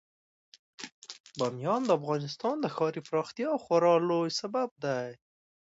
بامیان د افغانستان د ښاري پراختیا یو خورا لوی سبب دی.